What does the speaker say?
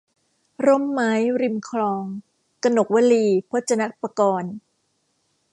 ร่มไม้ริมคลอง - กนกวลี พจนปกรณ์